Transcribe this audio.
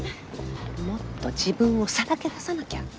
もっと自分をさらけ出さなきゃ。